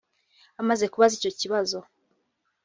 Amaze kubaza icyo kibazo